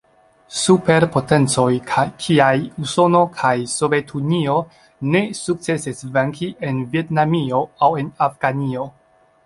Superpotencoj kiaj Usono kaj Sovetunio ne sukcesis venki en Vjetnamio aŭ en Afganio.